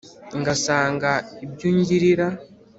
Ngasanga ibyo ungilira